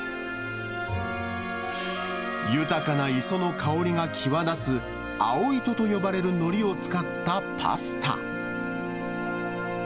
豊かな磯の香りが際立つあおいとと呼ばれるのりを使ったパスタ。